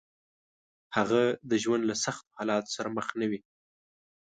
هغه د ژوند له سختو حالاتو سره مخ نه وي.